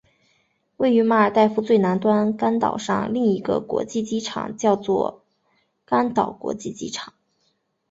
位于马尔代夫最南端甘岛上另一个国际机场叫甘岛国际机场。